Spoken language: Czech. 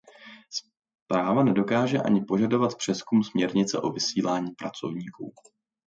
Zpráva nedokáže ani požadovat přezkum směrnice o vysílání pracovníků.